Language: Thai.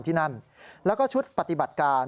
ที่นั่นแล้วก็ชุดปฏิบัติการ